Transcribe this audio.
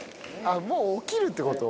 もう起きるってこと？